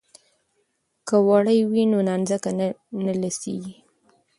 که وړۍ وي نو نانځکه نه لڅیږي.